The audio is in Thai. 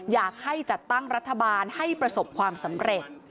อยากให้จัดตั้งรัฐบาลให้ประสบความสำเร็จ